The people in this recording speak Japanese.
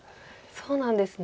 そうなんですね。